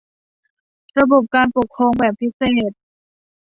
ระบบการปกครองแบบพิเศษ